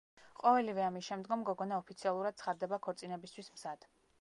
ყოველივე ამის შემდგომ, გოგონა ოფიციალურად ცხადდება ქორწინებისთვის მზად.